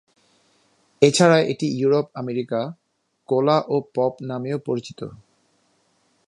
এছাড়া এটি ইউরোপ-আমেরিকায় কোলা ও পপ নামেও পরিচিত।